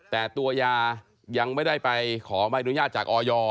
แต่ตัวยายังไม่ได้ไปขอใบอนุญาตจากออย